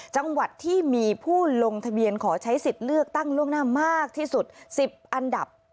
จังหวัดที่มีผู้ลงทะเบียนขอใช้สิทธิ์เลือกตั้งล่วงหน้ามากที่สุด๑๐อันดับ